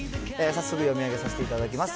早速読み上げさせていただきます。